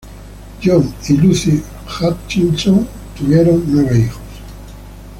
John y Lucy Hutchinson tuvieron nueve hijos.